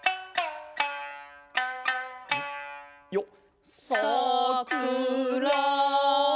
よっ。